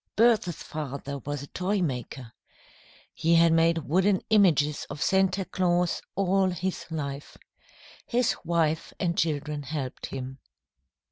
Bertha's father was a toy maker. He had made wooden images of Santa Claus all his life. His wife and children helped him.